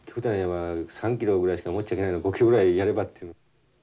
３キロぐらいしか持っちゃいけないの５キロぐらいやればっていう。